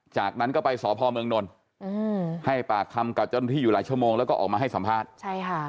จากนั้นก็ไปสภเมืองนลให้ปากคำกับที่อยู่หลายชั่วโมงแล้วก็ออกมาให้สัมภาษณ์